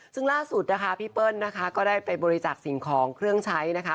ซึ่งล่าสุดนะคะพี่เปิ้ลนะคะก็ได้ไปบริจาคสิ่งของเครื่องใช้นะคะ